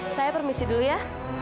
saya permisi dulu ya